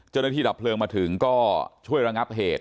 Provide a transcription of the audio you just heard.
เจ้าหน้าที่ดับเพลิงมาถึงก็ช่วยระงับเหตุ